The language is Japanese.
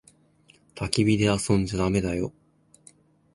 たき火で遊んじゃだめだよ。